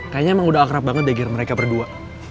kayaknya emang udah akrab banget deh biar mereka berdua